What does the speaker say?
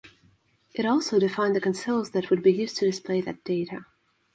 It also defined the consoles that would be used to display that data.